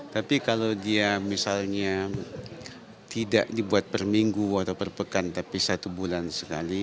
tapi kalau dia misalnya tidak dibuat perminggu atau perpekaan tapi satu bulan sekali